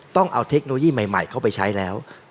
ต้องเอาเทคโนโลยีใหม่เข้าไปใช้แล้ว